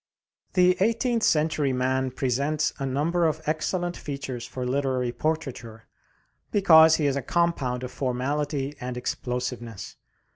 The eighteenth century man presents a number of excellent features for literary portraiture, because he is a compound of formality and explosiveness.